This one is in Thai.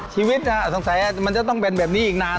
สงสัยมันจะต้องเป็นแบบนี้อีกนาน